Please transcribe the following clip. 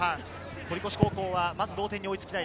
堀越高校は同点に追いつきたい。